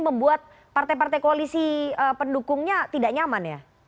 membuat partai partai koalisi pendukungnya tidak nyaman ya